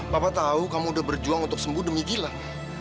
papa tahu kamu udah berjuang untuk sembuh demi gilang